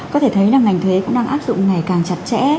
có thể thấy là ngành thuế cũng đang áp dụng ngày càng chặt chẽ